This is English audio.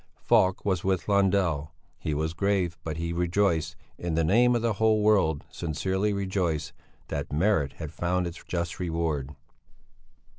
Falk was with Lundell. He was grave, but he rejoiced, in the name of the whole world sincerely rejoiced, that merit had found its just reward.